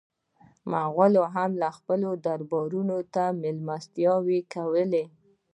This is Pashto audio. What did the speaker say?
مغولو هم خپلو درباریانو ته مېلمستیاوې ورکولې.